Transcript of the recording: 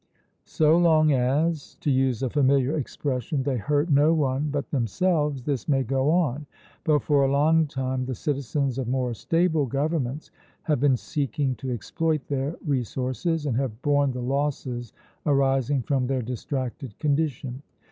So long as to use a familiar expression they hurt no one but themselves, this may go on; but for a long time the citizens of more stable governments have been seeking to exploit their resources, and have borne the losses arising from their distracted condition.